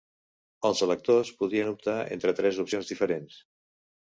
Els electors podien optar entre tres opcions diferents.